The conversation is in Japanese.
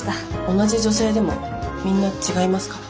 同じ女性でもみんな違いますから。